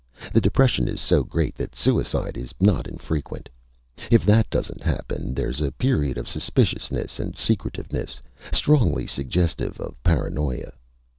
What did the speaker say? The depression is so great that suicide is not infrequent. If that doesn't happen, there's a period of suspiciousness and secretiveness strongly suggestive of paranoia.